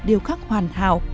điều khắc hoàn hảo